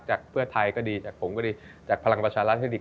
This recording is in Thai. จากเพื่อไทยก็ดีจากผมก็ดีจากพลังประชารัฐให้ดี